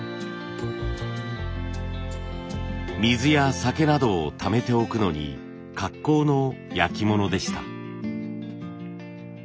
水や酒などをためておくのに格好の焼き物でした。